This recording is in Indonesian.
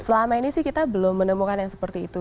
selama ini sih kita belum menemukan yang seperti itu